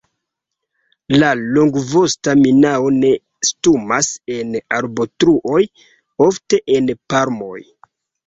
La Longvosta minao nestumas en arbotruoj, ofte en palmoj.